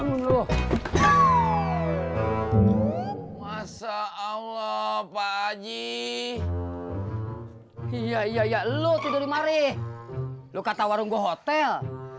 bangun loh masya allah pak aji iya iya iya lu tidur di mare lu kata warung gohotel